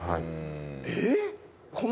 えっ？